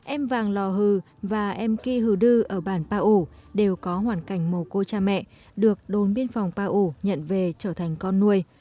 em vàng la hủ và em kia hủ đư ở bàn pa u đều có hoàn cảnh mồ côi cha mẹ được đồng biên phòng pa u nhận về trở thành con nuôi